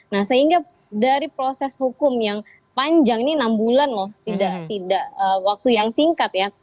nah sehingga dari proses hukum yang panjang ini enam bulan loh tidak waktu yang singkat ya